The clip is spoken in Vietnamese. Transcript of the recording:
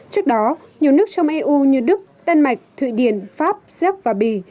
trước đó nhiều nước trong eu như đức đan mạch thụy điển pháp giáp và bỉ